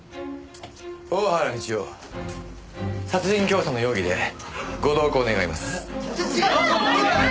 大原美千代殺人教唆の容疑でご同行願います。